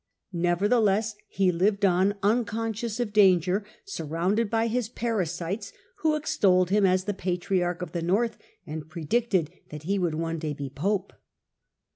Nevertheless, he lived on unconscious of danger, surrounded by his parasites, who extolled him as the patriarch of the North, and predicted that he would one day be pope.